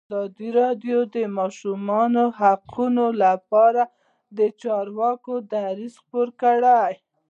ازادي راډیو د د ماشومانو حقونه لپاره د چارواکو دریځ خپور کړی.